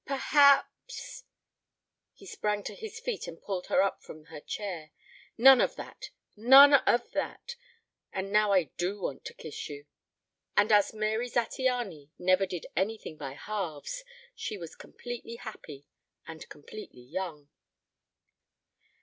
"Perhaps " He sprang to his feet and pulled her up from her chair. "None of that. None of that. And now I do want to kiss you." And as Mary Zattiany never did anything by halves she was completely happy, and completely young.